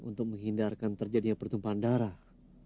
untuk menghindarkan terjadinya pertumpahan darah